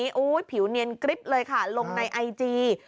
จุดผิวเนียนกริปเลยค่ะลงในไอจี